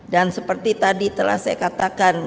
dan seperti tadi telah saya katakan